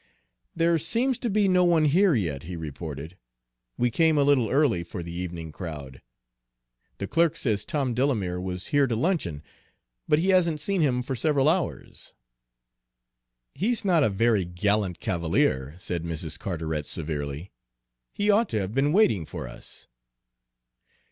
"There seems to be no one here yet," he reported. "We came a little early for the evening crowd. The clerk says Tom Delamere was here to luncheon, but he hasn't seen him for several hours." "He's not a very gallant cavalier," said Mrs. Carteret severely. "He ought to have been waiting for us."